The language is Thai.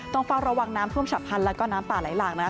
ต้องฟังระวังน้ำพรุ่งฉับพันธุ์แล้วก็น้ำป่าหลายหลากนะฮะ